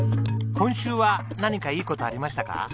今週は何かいい事ありましたか？